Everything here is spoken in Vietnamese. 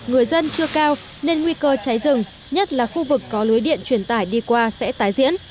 người dân chưa cao nên nguy cơ cháy rừng nhất là khu vực có lưới điện truyền tải đi qua sẽ tái diễn